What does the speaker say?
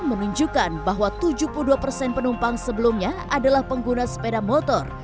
menunjukkan bahwa tujuh puluh dua persen penumpang sebelumnya adalah pengguna sepeda motor